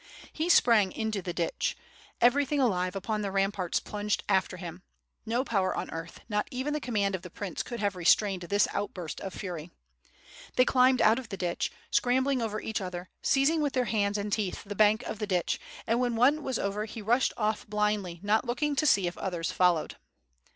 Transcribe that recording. He sprang into the ditch. Everything alive upon the ram parts plunged after him. No power on earth, not even the command of the prince could have restrained this outburst of fury. They climbed out of the ditch, scrambling over each other, seizing with their hands and teeth the bank of the ditch, and wlien one was over he rushed off blindly, not look ing to see if others followed.